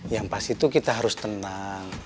yang pasti itu kita harus tenang